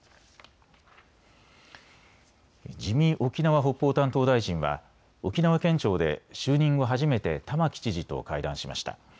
自見沖縄・北方担当大臣は沖縄県庁で就任後初めて玉城知事と会談しました。